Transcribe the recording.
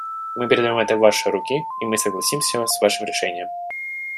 Мы передаем это в ваши руки, и мы согласимся с вашим решением.